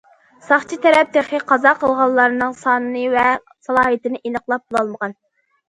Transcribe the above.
ساقچى تەرەپ تېخى قازا قىلغانلارنىڭ سانى ۋە سالاھىيىتىنى ئېنىقلاپ بولالمىغان.